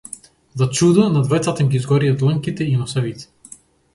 За чудо, на двајцата им ги изгорија дланките и носевите.